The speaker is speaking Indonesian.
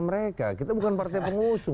mereka kita bukan partai pengusung